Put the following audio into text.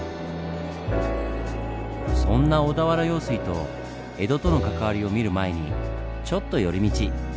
そんな小田原用水と江戸との関わりを見る前にちょっと寄り道。